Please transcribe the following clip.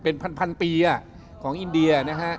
เป็นพันปีของอินเดีย